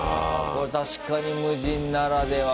これ確かに無人ならではだ。